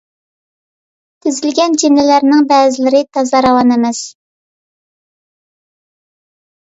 تۈزۈلگەن جۈملىلەرنىڭ بەزىلىرى تازا راۋان ئەمەس،.